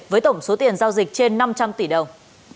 với tổng số tiền giao dịch trên năm trăm linh tỷ đồng